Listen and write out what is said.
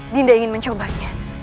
dinda ingin mencobanya